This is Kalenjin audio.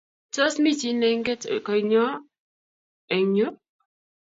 Tos mi chi ne inget koinyo eng' yu?